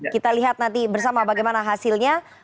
kita lihat nanti bersama bagaimana hasilnya